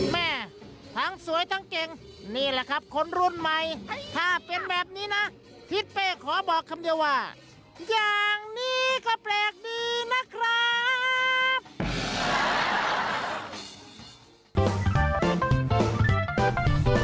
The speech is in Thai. แม่ทั้งสวยทั้งเก่งนี่แหละครับคนรุ่นใหม่ถ้าเป็นแบบนี้นะทิศเป้ขอบอกคำเดียวว่าอย่างนี้ก็แปลกดีนะครับ